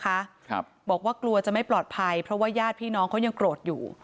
ครับบอกว่ากลัวจะไม่ปลอดภัยเพราะว่าญาติพี่น้องเขายังโกรธอยู่